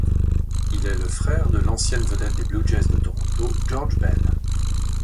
Il est le frère de l'ancienne vedette des Blue Jays de Toronto George Bell.